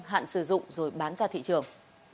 hạn sử dụng rồi bán ra thị trường